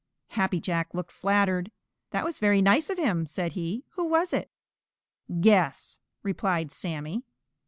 Happy Jack looked flattered. "That was very nice of him," said he. "Who was it?" "Guess," replied Sammy.